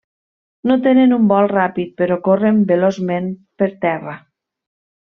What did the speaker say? No tenen un vol ràpid però corren veloçment per terra.